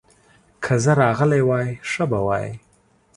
که زه راغلی وای، ښه به وای.